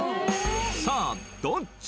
さあどっち？